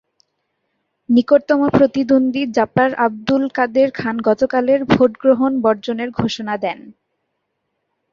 নিকটতম প্রতিদ্বন্দ্বী জাপার আবদুল কাদের খান গতকালের ভোট গ্রহণ বর্জনের ঘোষণা দেন।